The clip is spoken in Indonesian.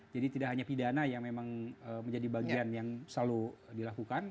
jadi tidak hanya pidana yang memang menjadi bagian yang selalu dilakukan